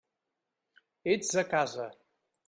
Ets a casa.